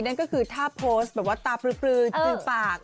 นั่นก็คือถ้าโพสต์แบบว่าตาปลือจือปาก